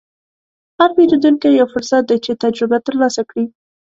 هر پیرودونکی یو فرصت دی چې تجربه ترلاسه کړې.